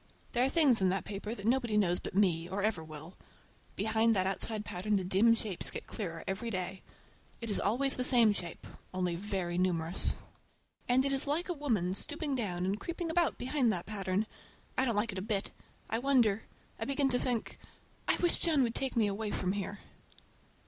There are things in that paper that nobody knows but me, or ever will. Behind that outside pattern the dim shapes get clearer every day. It is always the same shape, only very numerous. And it is like a woman stooping down and creeping about behind that pattern. I don't like it a bit. I wonder—I begin to think—I wish John would take me away from here!